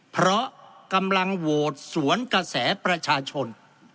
เพราะกำลังโหวตสวนกระแสประชาชน